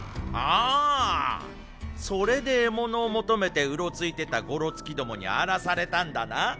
ああそれで獲物を求めてうろついてたゴロツキどもに荒らされたんだな。